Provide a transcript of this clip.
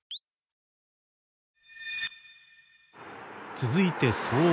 続いて騒音。